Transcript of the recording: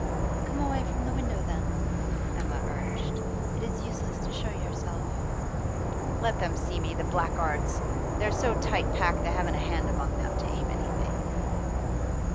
'Come away from the window, then,' Emma urged. 'It is useless to show yourself.' 'Let them see me, the blackguards! They're so tight packed they haven't a band among them to aim anything.